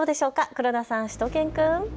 黒田さん、しゅと犬くん。